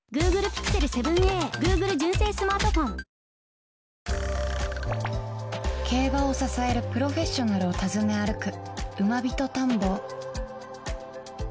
うわすごいな競馬を支えるプロフェッショナルを訪ね歩く